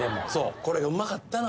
これがうまかったのよ。